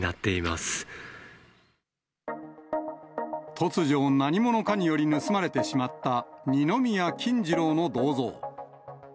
突如、何者かにより盗まれてしまった二宮金次郎の銅像。